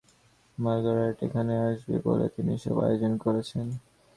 Marguerite এখানে আসবে বলে তিনি সব আয়োজন করেছেন।